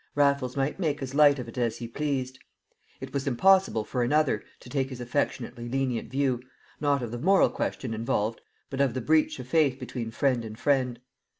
Raffles might make as light of it as he pleased; it was impossible for another to take his affectionately lenient view, not of the moral question involved, but of the breach of faith between friend and friend.